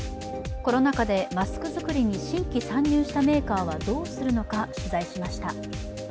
コロナ禍でマスク作りに新規参入したメーカーはどうするのか取材しました。